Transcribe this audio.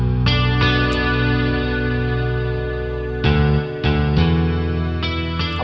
terima kasih selamat siang